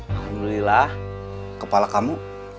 alhamdulillah kepala kamu